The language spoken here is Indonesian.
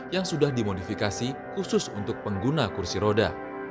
yang sudah dimodifikasi khusus untuk pengguna kursi roda